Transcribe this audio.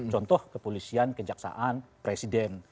contoh kepolisian kejaksaan presiden